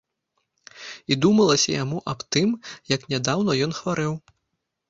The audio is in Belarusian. І думалася яму аб тым, як нядаўна ён хварэў.